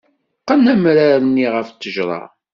Qqen amrar-nni ɣer ttejra.